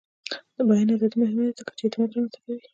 د بیان ازادي مهمه ده ځکه چې اعتماد رامنځته کوي.